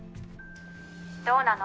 どうなの？